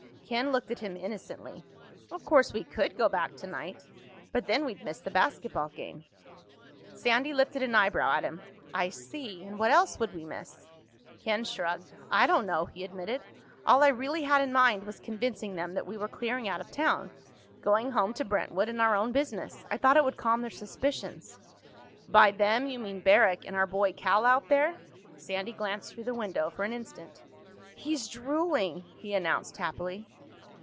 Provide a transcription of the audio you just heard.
Ken looked at him innocently. "Of course we could go back tonight—but then we'd miss the basketball game." Sandy lifted an eyebrow at him. "I see. And what else would we miss?" Ken shrugged. "I don't know," he admitted. "All I really had in mind was convincing them that we were clearing out of town—going home to Brentwood and our own business. I thought it would calm their suspicions." "By 'them' you mean Barrack and our boy Cal out there?" Sandy glanced through the window for an instant. "He's drooling!" he announced happily.